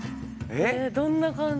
どんな感じ？